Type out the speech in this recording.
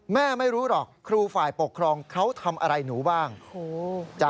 ไม่รู้หรอกครูฝ่ายปกครองเขาทำอะไรหนูบ้าง